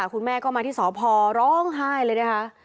คุณแม่ก็มาที่สพร้องไห้เลยนะคะ